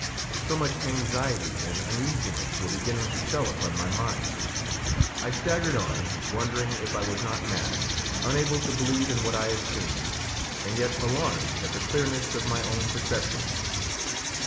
So much anxiety and uneasiness were beginning to tell upon my mind; I staggered on, wondering if I was not mad, unable to believe in what I had seen, and yet alarmed at the clearness of my own perceptions.